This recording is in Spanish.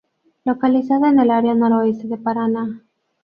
Localizado en el área Noroeste de Paraná.